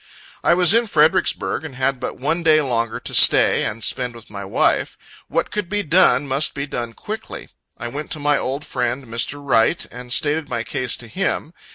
I was in Fredericksburg, and had but one day longer to stay, and spend with my wife. What could be done, must be done quickly. I went to my old friend, Mr. Wright, and stated my case to him.